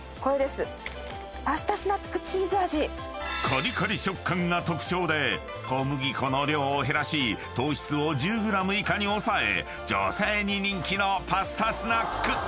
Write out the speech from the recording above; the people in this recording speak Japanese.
［カリカリ食感が特徴で小麦粉の量を減らし糖質を１０ｇ以下に抑え女性に人気のパスタスナック］